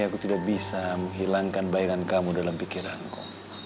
aku tidak bisa menghilangkan bayangan kamu dalam pikiranku